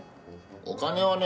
お金はね